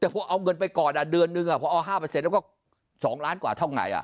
แต่พอเอาเงินไปก่อนเดือนนึงพอเอา๕แล้วก็๒ล้านกว่าเท่าไง